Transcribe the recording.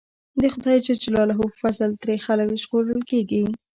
د خدای ج په فضل ترې خلک ژغورل کېږي.